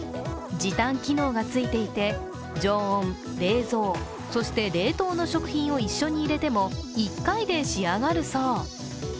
時短機能がついていて常温、冷蔵、そして冷凍の食品を一緒に入れても一回で仕上がるそう。